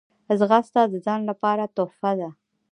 ځغاسته د ځان لپاره تحفه ده